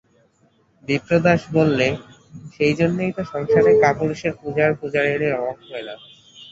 বিপ্রদাস বললে, সেইজন্যেই তো সংসারে কাপুরুষের পূজার পূজারিনীর অভাব হয় না।